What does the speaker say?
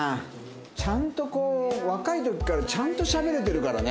ちゃんとこう若い時からちゃんとしゃべれてるからね。